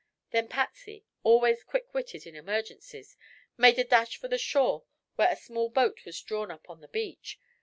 Then Patsy, always quick witted in emergencies, made a dash for the shore where a small boat was drawn up on the beach.